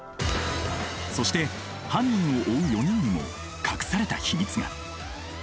そして犯人を追う４人にも隠された秘密が。